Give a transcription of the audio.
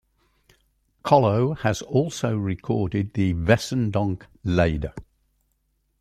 Kollo has also recorded the "Wesendonck Lieder".